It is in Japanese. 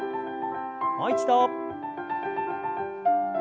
もう一度。